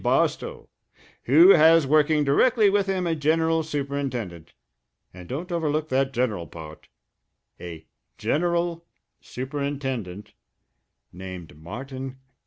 Barstow, who has working directly with him a general superintendent and don't overlook that general part a general superintendent named Martin Garrity!"